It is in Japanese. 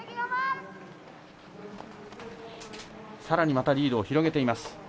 さらにリードを広げています。